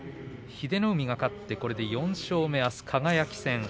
英乃海が勝って、これで４勝目あすは輝戦です。